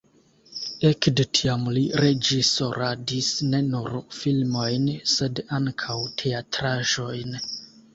Ekde tiam li reĝisoradis ne nur filmojn, sed ankaŭ teatraĵojn.